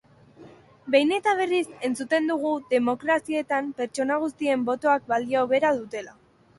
Behin eta berriz entzuten dugu demokrazietan pertsona guztien botoek balio bera dutela.